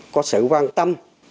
có sự quan tâm